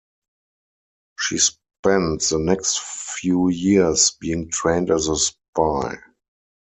She spent the next few years being trained as a spy.